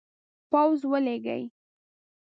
پوځ ولیږي.